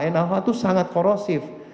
naoh itu sangat korosif